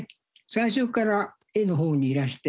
最初から絵の方にいらして。